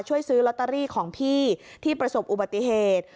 ช่วยซื้อลอตเตอรี่ของพี่ที่ประสบอุบัติเหตุ